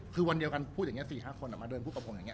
คือวันเดียวกันพูดอย่างนี้๔๕คนมาเดินพูดกับผมอย่างนี้